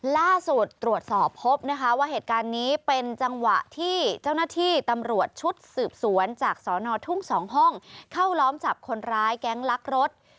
ล่าสุดตรวจสอบพบนะคะว่าเหตุการณ์นี้เป็นจังหวะที่เจ้าหน้าที่ตำรวจชุดสืบสวนจากสอนอทุ่ง๒ห้องเข้าล้อมจับคนร้ายแก๊งลักรถ